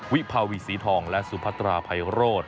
วิภาวีสีทองและสุพัตราภัยโรธ